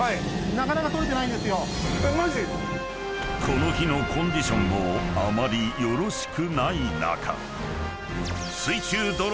［この日のコンディションもあまりよろしくない中］